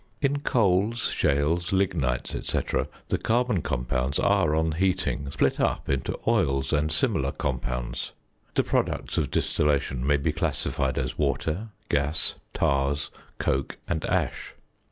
In coals, shales, lignites, &c., the carbon compounds are, on heating, split up into oils and similar compounds. The products of distillation may be classified as water, gas, tars, coke, and ash.